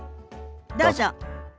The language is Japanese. どうぞ。